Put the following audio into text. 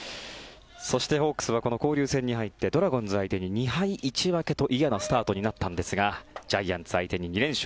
そして、ホークスはこの交流戦に入ってドラゴンズ相手に２敗１分けと嫌なスタートになったんですがジャイアンツ相手に２連勝。